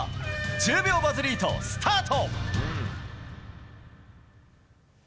１０秒バズリードスタート！